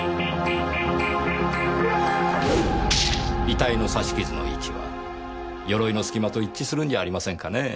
遺体の刺し傷の位置は鎧の隙間と一致するんじゃありませんかねぇ。